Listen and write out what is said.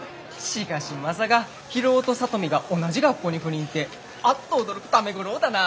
しかしまさか博夫と里美が同じ学校に赴任ってアッと驚く為五郎だな。